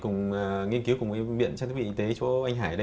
nghiên cứu cùng bệnh viện trang trí bệnh y tế cho anh hải